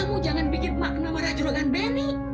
kamu jangan bikin makna marah juragan benny